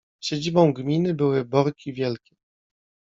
Siedzibą gminy były Borki Wielkie.